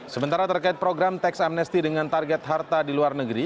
sementara terkait program teks amnesty dengan target harta di luar negeri